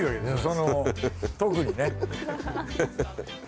その特にね。